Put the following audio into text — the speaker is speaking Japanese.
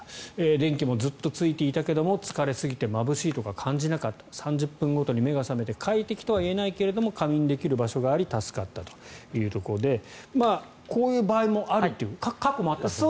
電気もずっとついていたけど疲れすぎてまぶしいとか感じなかった３０分ごとに目が覚めて快適とは言えないけれども仮眠できる場所があり助かったというところでこういう場合もあるっていう過去もあったという。